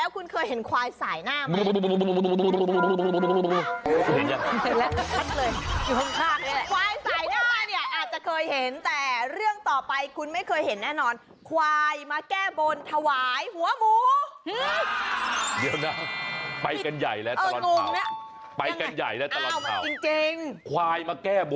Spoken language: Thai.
คุณเคยเห็นควายสายหน้าไหม